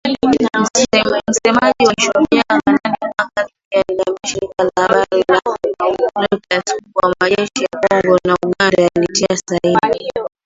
Msemaji wa Shujaa, Kanali Mak Hazukay, aliliambia shirika la habari la reuters kuwa majeshi ya Kongo na Uganda yalitia saini